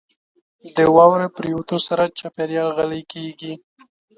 • د واورې پرېوتو سره چاپېریال غلی کېږي.